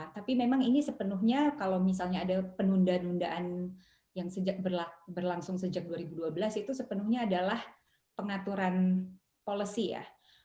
tapi memang ini sepenuhnya kalau misalnya ada penunda nundaan yang berlangsung sejak dua ribu dua belas itu sepenuhnya adalah pengaturan policy ya